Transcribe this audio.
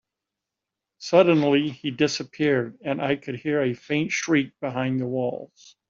Suddenly, he disappeared, and I could hear a faint shriek behind the walls.